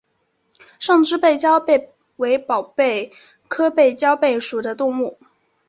胜枝背焦贝为宝贝科背焦贝属的动物。